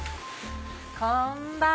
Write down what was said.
こんばんは。